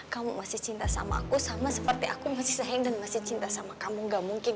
kamu masih cinta sama aku sama seperti aku masih sayang dan masih cinta sama kamu gak mungkin